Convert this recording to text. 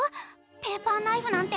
ペーパーナイフなんて。